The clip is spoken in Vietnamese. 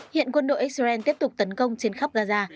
hiện quân đội israel tiếp tục tấn công trên khắp gaza